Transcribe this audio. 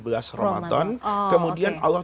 ramadhan kemudian allah